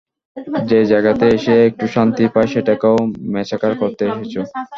যে জায়গাতে এসে একটু শান্তি পাই সেটাকেও ম্যাচাকার করতে এসেছো?